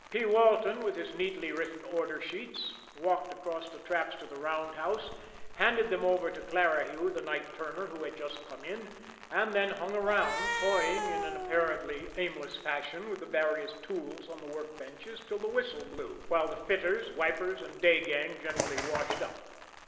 P. Walton, with his neatly written order sheets, walked across the tracks to the roundhouse, handed them over to Clarihue, the night turner, who had just come in, and then hung around, toying in an apparently aimless fashion with the various tools on the workbenches till the whistle blew, while the fitters, wipers and day gang generally washed up.